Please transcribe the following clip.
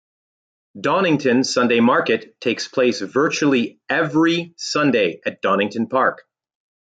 Donington Sunday Market takes place virtually every Sunday at Donington Park.